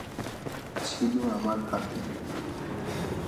ছিল আমার হাতে।